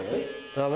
ダメ？